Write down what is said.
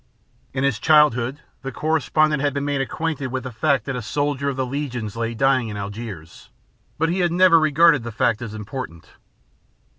'" In his childhood, the correspondent had been made acquainted with the fact that a soldier of the Legion lay dying in Algiers, but he had never regarded the fact as important.